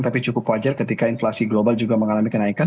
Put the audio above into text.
tapi cukup wajar ketika inflasi global juga mengalami kenaikan